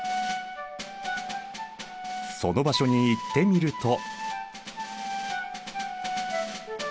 その場所に行ってみると。